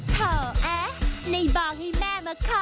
เถอะแอนี่บอกให้แม่มาขอ